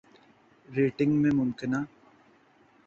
rating میں ممکنہ